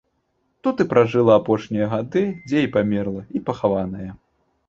Тут і пражыла апошнія гады, дзе і памерла, і пахаваная.